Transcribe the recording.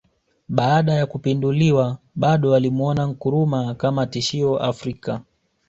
Baada ya kupinduliwa bado walimuona Nkrumah kuwa tishio Afrika